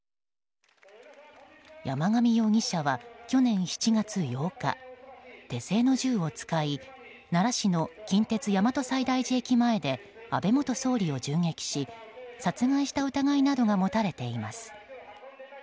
山上容疑者は去年７月８日手製の銃を使い奈良市の近鉄大和西大寺駅前で安倍元総理を銃撃し殺害した疑いなどが持たれています。